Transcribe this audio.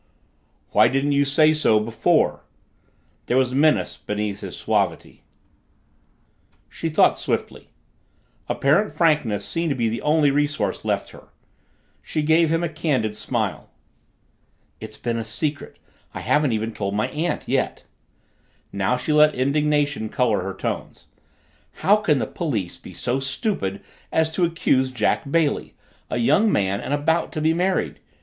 "Why didn't you say so before?" There was menace beneath his suavity. She thought swiftly. Apparent frankness seemed to be the only resource left her. She gave him a candid smile. "It's been a secret. I haven't even told my aunt yet." Now she let indignation color her tones. "How can the police be so stupid as to accuse Jack Bailey, a young man and about to be married?